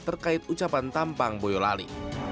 terkait ucapan tampang boyolali